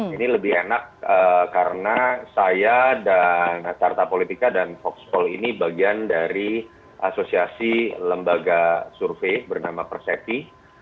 ini lebih enak karena saya dan carta politika dan voxpol ini bagian dari asosiasi lembaga survei bernama persepi